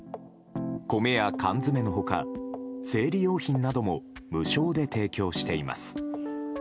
米や缶詰の他、生理用品なども無償で提供しています。